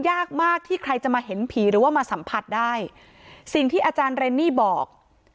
ยากมากที่ใครจะมาเห็นผีหรือว่ามาสัมผัสได้สิ่งที่อาจารย์เรนนี่บอก